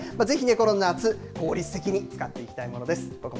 ぜひこの夏、効率的に使っていきたいものです。